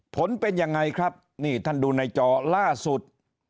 ผลเป็นยังไงครับนี่ท่านดูในจอล่าสุด